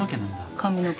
髪の毛。